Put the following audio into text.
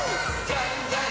じゃんじゃん！